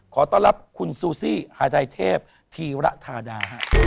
ขอต้อนรับคุณซูซี่ฮาไดเทพธีระธาดา